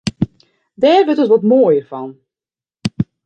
Dêr wurdt it wat moaier fan.